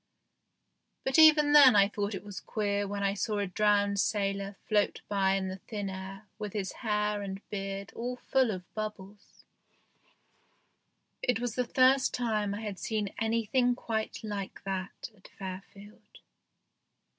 But even then I thought it was queer when I saw a drowned sailor float by in the thin air with his hair and beard all full of bubbles. 14 THE GHOST SHIP It was the first time I had seen anything quite like that at Fairfield.